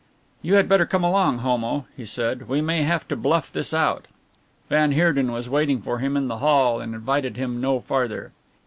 "You had better come along, Homo," he said, "we may have to bluff this out." Van Heerden was waiting for him in the hall and invited him no farther.